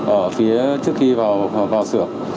ở phía trước khi vào xưởng